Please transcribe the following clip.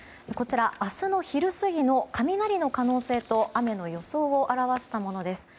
明日の昼過ぎの雷の可能性と雨の予想を表したものです。